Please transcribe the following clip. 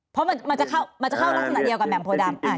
เพราะมันจะเข้ารักษณะเดียวกับแหม่โพดำ